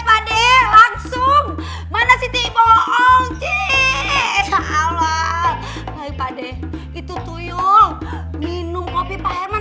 pade langsung mana siti bohong cik allah baik pade itu tuyul minum kopi pak herman